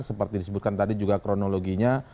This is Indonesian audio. seperti disebutkan tadi juga kronologinya